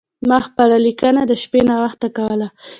ما خپله لیکنه د شپې ناوخته کوله.